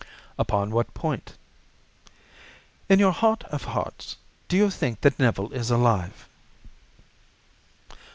"Upon what point?" "In your heart of hearts, do you think that Neville is alive?"